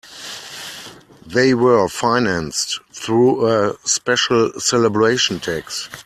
They were financed through a special celebration tax.